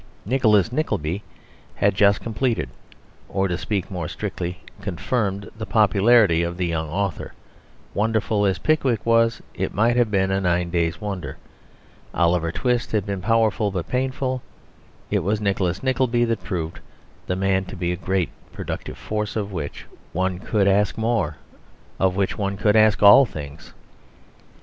Nicholas Nickleby had just completed, or, to speak more strictly, confirmed, the popularity of the young author; wonderful as Pickwick was it might have been a nine days' wonder; Oliver Twist had been powerful but painful; it was Nicholas Nickleby that proved the man to be a great productive force of which one could ask more, of which one could ask all things.